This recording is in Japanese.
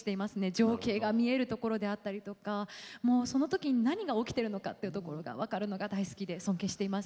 情景が見えるところであったりとかもうその時に何が起きてるのかっていうところが分かるのが大好きで尊敬しています。